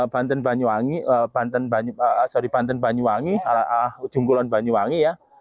banten sorry banten banyuwangi jungkulon banyuwangi ya